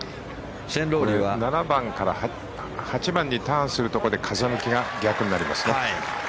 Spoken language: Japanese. ７番から８番にターンするところで風向きが逆になりますね。